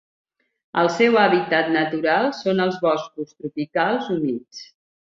El seu hàbitat natural són els boscos tropicals humits.